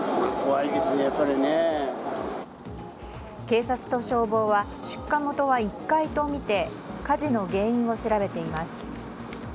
警察と消防は出火元は１階とみて火事の原因を調べています。